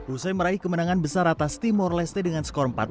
usai meraih kemenangan besar atas timor leste dengan skor empat dua